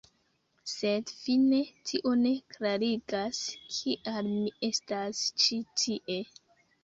Sed fine tio ne klarigas, kial mi estas ĉi tie.